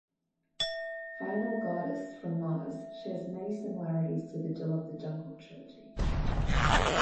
"Vinyl Goddess from Mars" shares many similarities to the "Jill of the Jungle" trilogy.